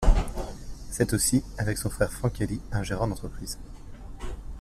C'est aussi, avec son frère Franck-Élie, un gérant d'entreprise.